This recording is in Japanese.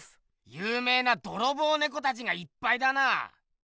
ゆうめいなドロボウネコたちがいっぱいだな。